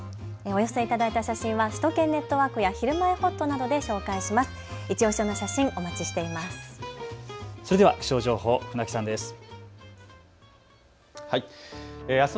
お寄せいただいた写真は首都圏ネットワークやひるまえほっとなどで紹介します。